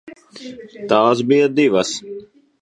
Tās bija divas.